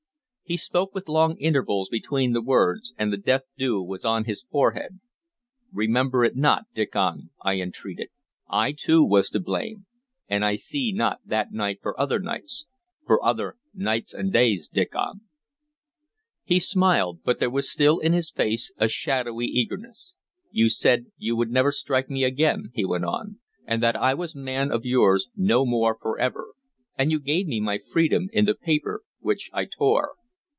He spoke with long intervals between the words, and the death dew was on his forehead. "Remember it not, Diccon," I entreated. "I too was to blame. And I see not that night for other nights, for other nights and days, Diccon." He smiled, but there was still in his face a shadowy eagerness. "You said you would never strike me again," he went on, "and that I was man of yours no more forever and you gave me my freedom in the paper which I tore."